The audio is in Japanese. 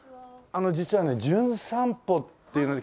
あの実はね『じゅん散歩』っていうので来ました